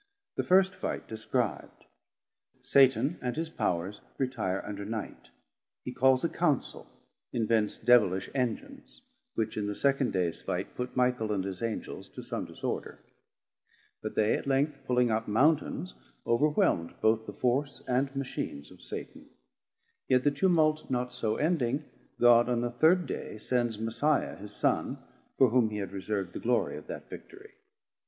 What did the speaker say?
The first Fight describ'd: Satan and his Powers retire under Night: he calls a Councel, invents devilish Engines, which in the second dayes Fight put Michael and his Angels to some disorder; But they at length pulling up Mountains overwhelm'd both the force and Machins of Satan: Yet the Tumult not so ending, God on the third day sends Messiah his Son, for whom he had reserv'd the glory of that Victory.